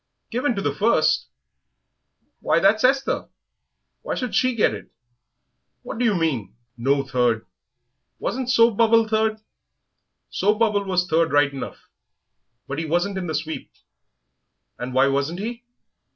"Given to the first! Why, that's Esther! Why should she get it?... What do you mean? No third! Wasn't Soap bubble third?" "Yes, Soap bubble was third right enough, but he wasn't in the sweep." "And why wasn't he?"